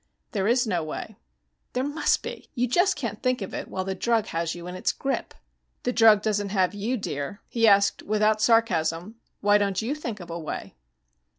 "There is no way." "There must be. You just can't think of it while the drug has you in its grip." "The drug doesn't have you, dear." He asked without sarcasm, "Why don't you think of a way?"